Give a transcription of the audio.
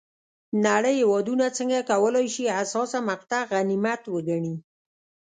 نړۍ هېوادونه څنګه کولای شي حساسه مقطعه غنیمت وګڼي.